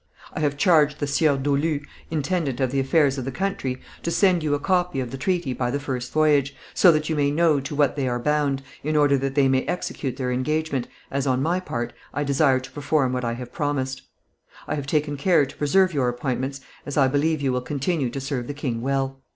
I have charged the Sieur Dolu, intendant of the affairs of the country, to send you a copy of the treaty by the first voyage, so that you may know to what they are bound, in order that they may execute their engagement, as, on my part, I desire to perform what I have promised. "I have taken care to preserve your appointments, as I believe you will continue to serve the king well.